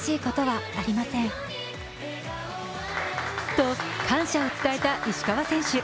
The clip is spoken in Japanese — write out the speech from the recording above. と感謝を伝えた石川選手。